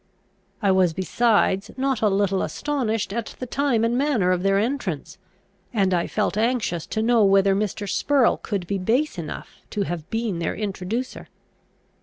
I was besides not a little astonished at the time and manner of their entrance; and I felt anxious to know whether Mr. Spurrel could be base enough to have been their introducer.